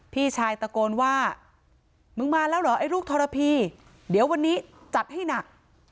พี่ชายตะโกนว่ามึงมาแล้วเหรอไอ้ลูกทรพีเดี๋ยววันนี้จัดให้หนัก